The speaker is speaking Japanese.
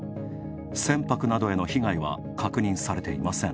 船舶などへの被害は確認されていません。